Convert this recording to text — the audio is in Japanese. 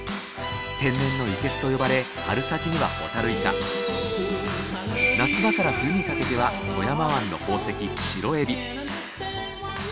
天然の生けすと呼ばれ春先にはホタルイカ夏場から冬にかけては富山湾の宝石シロエビ。